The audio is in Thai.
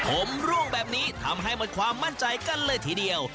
ผมร่วงแบบนี้ทำให้หมดความมั่นใจกันเลยทีเดียว